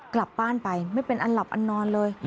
กลับบ้านไปไม่เป็นอันหลับอันนอนเลย